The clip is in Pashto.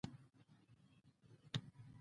نظم د عقل او وجدان ګډ کار دی.